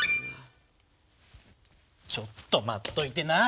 ちょっと待っといてな。